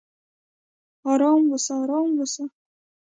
"ارام اوسه! ارام اوسه!"